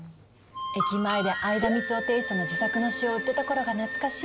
駅前で相田みつをテーストの自作の詩を売ってたころが懐かしいわ。